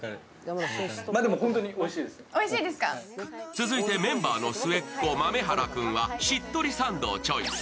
続いてメンバーの末っ子・豆原君はしっとりサンドをチョイス。